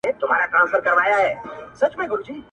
په پنځمه ورځ مور له خپل حالته وځي او په فکرونو کي ورکيږي,